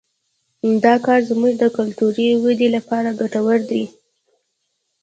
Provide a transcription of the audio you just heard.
دا کار زموږ د کلتوري ودې لپاره ګټور دی